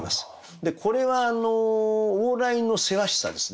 これは往来のせわしさですね。